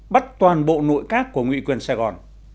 bắt toàn bộ nội các của ngụy quyền sài gòn